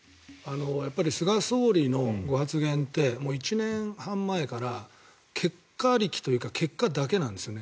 やっぱり菅総理のご発言って１年半前から結果ありきというか結果だけなんですよね。